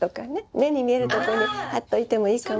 目に見えるところにはっておいてもいいかも。